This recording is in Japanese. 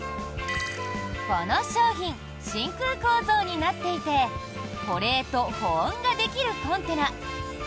この商品真空構造になっていて保冷と保温ができるコンテナ。